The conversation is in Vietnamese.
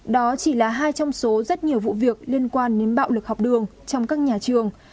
đó chỉ là hai trong số rất nhiều vụ việc liên quan đến bạo lực học đường trong các nhà trường